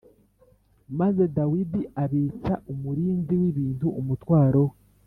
Maze Dawidi abitsa umurinzi w’ibintu umutwaro we